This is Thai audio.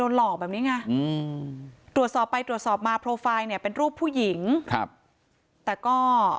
อืมตรวจสอบไปตรวจสอบมาเนี้ยเป็นรูปผู้หญิงครับแต่ก็